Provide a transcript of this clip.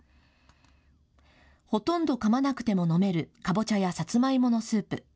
ほとんどかまなくても飲めるかぼちゃやさつまいものスープ。